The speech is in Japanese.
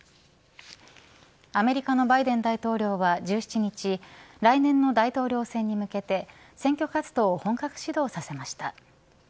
アメリカのバイデン大統領は１７日来年の大統領選に向けて選挙活動を本格始動させました。